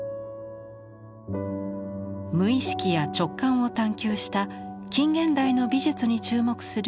無意識や直感を探求した近現代の美術に注目する展覧会です。